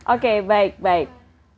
oke baik baik